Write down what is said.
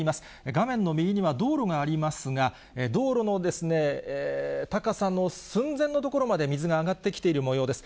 画面の右には道路がありますが、道路の高さの寸前のところまで水が上がってきているもようです。